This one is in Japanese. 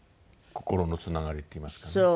心のつながりっていいますかね。